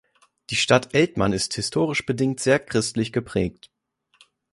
Die Stadt Eltmann ist historisch bedingt sehr christlich geprägt.